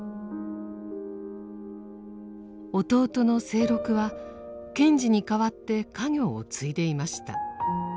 弟の清六は賢治に代わって家業を継いでいました。